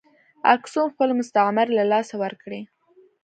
اکسوم خپلې مستعمرې له لاسه ورکړې.